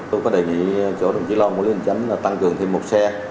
tôi có đề nghị cho đồng chí long quản lý hình chánh tăng cường thêm một xe